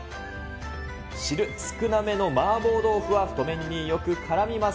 汁少なめの麻婆豆腐は太麺によくからみます。